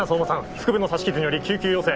腹部の刺し傷により救急要請。